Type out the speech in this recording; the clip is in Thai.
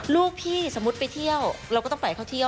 ลูกพี่สมมุติไปเที่ยวเราก็ต้องปล่อยให้เขาเที่ยว